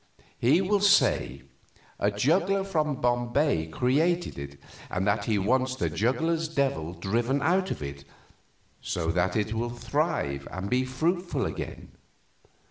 He will say a juggler from Bombay created it, and that he wants the juggler's devil driven out of it, so that it will thrive and be fruitful again.